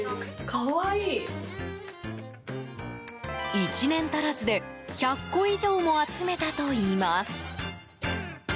１年足らずで１００個以上も集めたといいます。